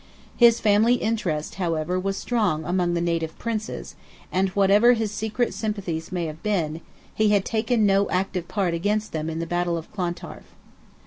His family interest, however, was strong among the native Princes, and whatever his secret sympathies may have been, he had taken no active part against them in the battle of Clontarf.